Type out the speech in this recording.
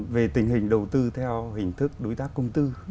về tình hình đầu tư theo hình thức đối tác công tư